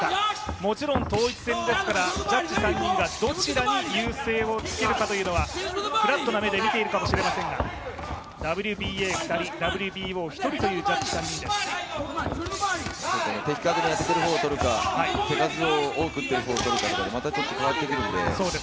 もちろん統一戦ですからジャッジ３人がどちらに優勢をつけるかというのはフラットな目で見ているかもしれませんが、ＷＢＡ２人、ＷＢＯ１人というジャッジ３人です。